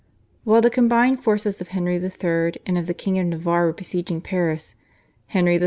While the combined forces of Henry III. and of the King of Navarre were besieging Paris, Henry III.